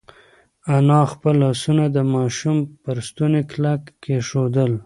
انا خپل لاسونه د ماشوم پر ستوني کلک کېښودل.